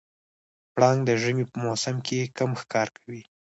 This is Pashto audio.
پړانګ د ژمي په موسم کې کم ښکار کوي.